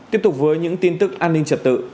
tiếp tục với những tin tức an ninh trật tự